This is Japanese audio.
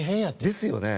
ですよね。